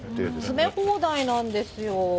詰め放題なんですよ。